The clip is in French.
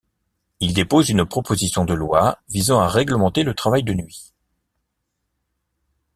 Il dépose une proposition de loi visant à réglementer le travail de nuit.